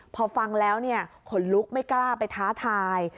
พอฟังแล้วขนลุกไม่กล้าไปท้าทาย